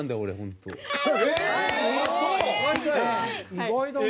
意外だな。